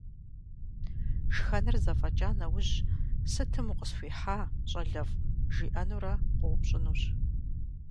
Шхэныр зэфӀэкӀа нэужь, сытым укъысхуихьа, щӀалэфӀ, жиӀэнурэ къоупщӀынущ.